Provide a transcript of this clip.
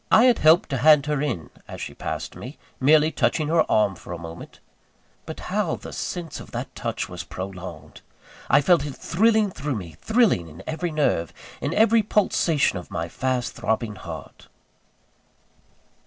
I had helped to hand her in, as she passed me; merely touching her arm for a moment. But how the sense of that touch was prolonged! I felt it thrilling through me thrilling in every nerve, in every pulsation of my fast throbbing heart.